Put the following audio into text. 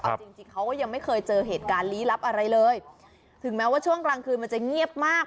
เอาจริงจริงเขาก็ยังไม่เคยเจอเหตุการณ์ลี้ลับอะไรเลยถึงแม้ว่าช่วงกลางคืนมันจะเงียบมาก